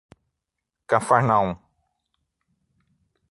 Cafarnaum